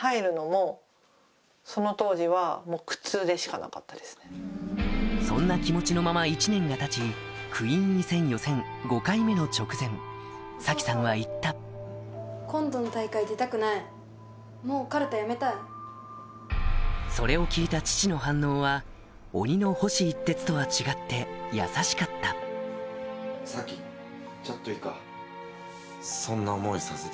なんとそんな気持ちのまま１年がたちクイーン位戦予選５回目の直前早紀さんは言ったそれを聞いた父の反応は鬼の星一徹とは違って優しかった早紀ちょっといいか？